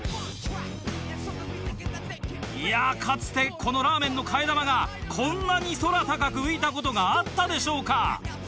いやかつてこのラーメンの替え玉がこんなに空高く浮いたことがあったでしょうか。